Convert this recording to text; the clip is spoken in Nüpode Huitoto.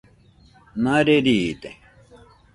Nare riide